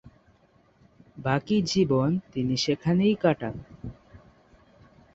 বাকি জীবন তিনি সেখানেই কাটান।